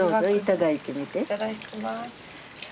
いただきます。